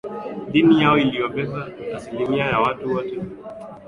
Dini yao iliyobeba asilimia ya watu wote ndio muhimili wao wa maisha